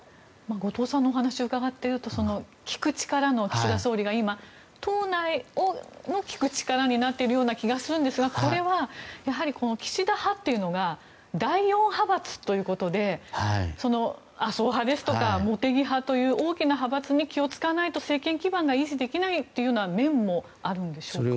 後藤さんのお話を伺っていると聞く力の岸田総理が党内の聞く力になっているような気がするんですがこれは岸田派というのが第４派閥ということで麻生派ですとか茂木派という大きな派閥に気を使わないと政権基盤が維持できないという面もあるんでしょうか。